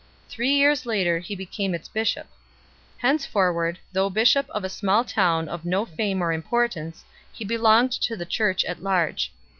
Three years later he became its bishop. Henceforward, though bishop of a little town of no fame or importance, he belonged to the Church at large.